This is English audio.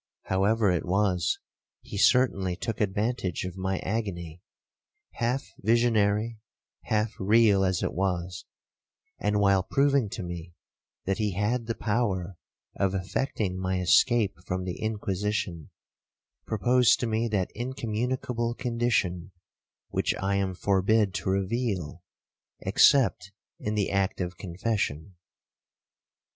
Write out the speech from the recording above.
However it was, he certainly took advantage of my agony, half visionary, half real as it was, and, while proving to me that he had the power of effecting my escape from the Inquisition, proposed to me that incommunicable condition which I am forbid to reveal, except in the act of confession.'